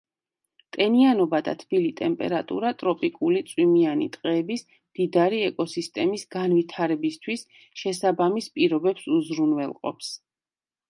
ტენიანობა და თბილი ტემპერატურა ტროპიკული წვიმიანი ტყეების მდიდარი ეკოსისტემის განვითარებისთვის შესაბამის პირობებს უზრუნველყოფს.